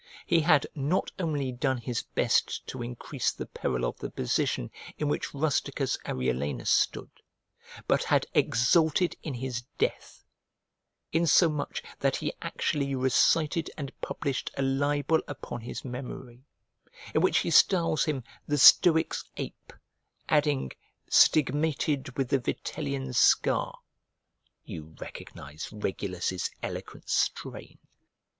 He had not only done his best to increase the peril of the position in which Rusticus Arulenus stood, but had exulted in his death; insomuch that he actually recited and published a libel upon his memory, in which he styles him "The Stoics' Ape": adding, "stigmated with the Vitellian scar." You recognize Regulus' eloquent strain!